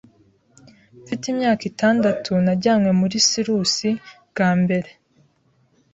Mfite imyaka itandatu, najyanywe muri sirusi bwa mbere.